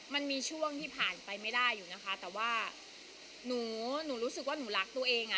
มันมีช่วงที่ผ่านไปไม่ได้อยู่นะคะแต่ว่าหนูหนูรู้สึกว่าหนูรักตัวเองอ่ะ